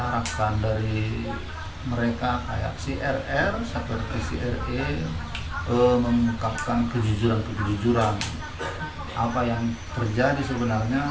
bap mengungkapkan kejujuran kejujuran apa yang terjadi sebenarnya